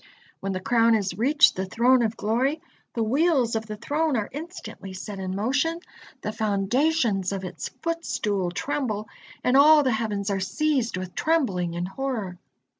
When the crown has reached the Throne of Glory, the wheels of the Throne are instantly set in motion, the foundations of its footstool tremble, and all the heavens are seized with trembling and horror.